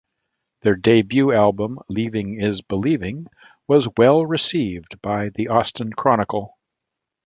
Their debut album "Leaving Is Believing" was well received by the Austin Chronicle.